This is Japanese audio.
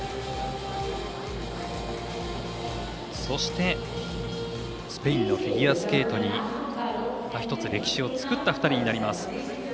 そして、スペインのフィギュアスケートに１つ歴史を作った２人になります。